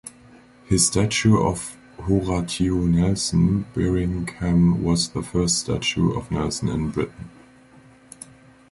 His statue of Horatio Nelson, Birmingham was the first statue of Nelson in Britain.